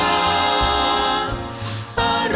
ไข่ตุ๋นรสเยี่ยมปานรสทิบ